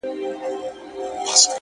سپين گل د بادام مي د زړه ور مـات كړ!!